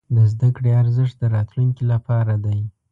د زده کړې ارزښت د راتلونکي لپاره دی.